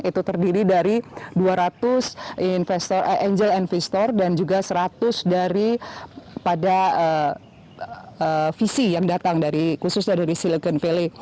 itu terdiri dari dua ratus angel investor dan juga seratus dari pada visi yang datang khususnya dari silicon valley